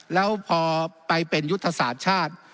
แล้วพอไปเป็นยุทธศาสตร์ชาติ